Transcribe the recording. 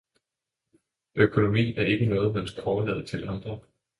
Økonomi er ikke noget man skal overlade til andre